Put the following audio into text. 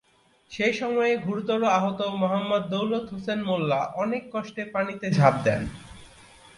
সে সময়ে গুরুতর আহত মোহাম্মদ দৌলত হোসেন মোল্লা অনেক কষ্টে পানিতে ঝাঁপ দেন।